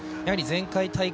前回大会